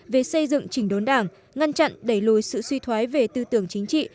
về xây dựng chỉnh đốn đảng ngăn chặn đẩy lùi sự suy thoái về tư tưởng chính trị